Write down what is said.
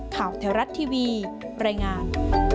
ข่าวเที่ยวรัฐทีวีรายงาน